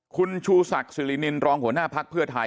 คุณชูศักดิ์สิรินินรองหัวหน้าภักดิ์เพื่อไทย